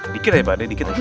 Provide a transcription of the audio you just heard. dikit aja pade dikit